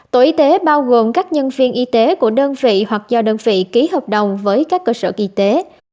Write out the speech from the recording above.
tổ y tế bao gồm các nhân viên y tế của đơn vị hoặc do đơn vị ký hợp đồng với các cơ sở y tế